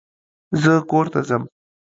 زه کورته ځم.